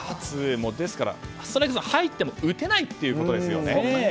ですからストライクゾーンに入っても打てないということですよね。